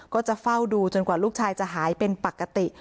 ก็จะเฝ้าดูจนกว่าลูกชายจะหายเป็นปกติ